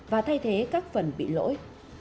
và thay thế các phần bị lỗi